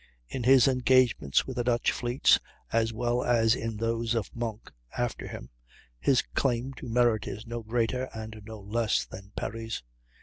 In his engagements with the Dutch fleets (as well as in those of Monk, after him) his claim to merit is no greater and no less than Perry's.